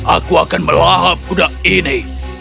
aku akan melahap kuda ini